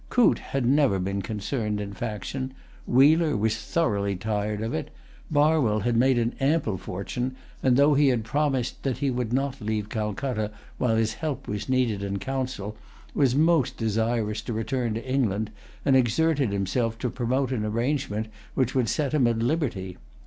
Coote had never been concerned in faction. Wheler was thoroughly tired of it. Barwell had made an ample fortune, and, though he had promised that he would not leave Calcutta while his help was needed in Council, was most desirous to return to England, and exerted himself to promote an arrangement which would set him at liberty.